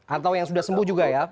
atau yang sudah sembuh juga ya